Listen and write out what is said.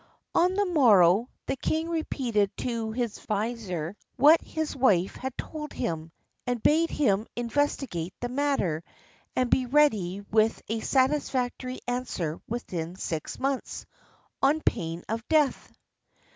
On the morrow the king repeated to his vizier what his wife had told him, and bade him investigate the matter, and be ready with a satisfactory answer within six months, on pain of death.